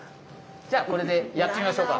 じゃあこれでやってみましょうか。